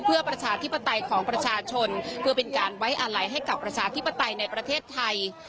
เพื่อประชาธิปไตยของประชาชนเพื่อเป็นการไว้อาลัยให้กับประชาธิปไตยในประเทศไทย